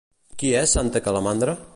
Qui és Santa Calamanda?